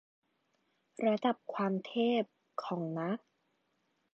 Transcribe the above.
ระดับความเทพ ของนัก